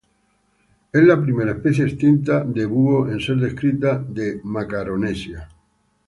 Es la primera especie extinta de búho en ser descrita de Macaronesia.